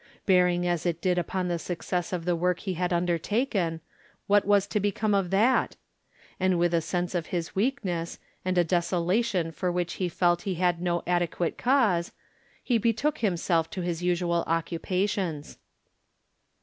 Bearing as it did upon the success of the work he had undertaken, what was to be come of that? And with a sense of his weak ness, and ar desolation for which he felt he had no adequate cause, he betook himself to his usual occupations.